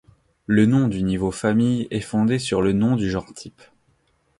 Le nom du niveau famille est fondé sur le nom du genre type.